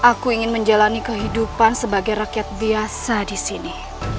aku ingin menjalani kehidupan sebagai rakyat biasa di sini